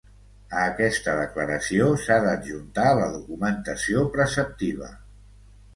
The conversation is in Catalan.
A aquesta declaració s'ha d'adjuntar la documentació preceptiva.